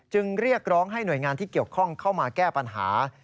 เรียกร้องให้หน่วยงานที่เกี่ยวข้องเข้ามาแก้ปัญหา